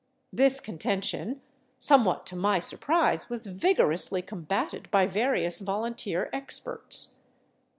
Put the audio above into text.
This contention, somewhat to my surprise, was vigorously combated by various volunteer experts.